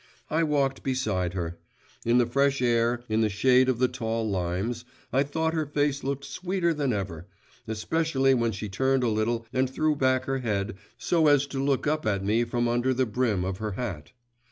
I walked beside her. In the fresh air, in the shade of the tall limes, I thought her face looked sweeter than ever, especially when she turned a little and threw back her head so as to look up at me from under the brim of her hat.